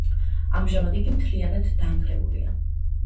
ამჟამად იგი მთლიანად დანგრეულია.